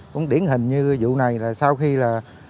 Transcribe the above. cũng điển hình như vụ này là sau khi là